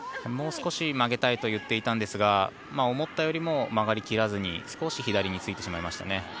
もう少し曲げたいと言っていたんですが思ったよりも曲がり切らずに少し左についてしましましたね。